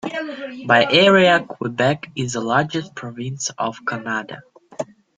By area, Quebec is the largest province of Canada.